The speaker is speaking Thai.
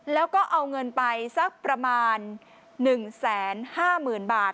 แล้วก็เอาเงินไปสักประมาณ๑๕๐๐๐บาท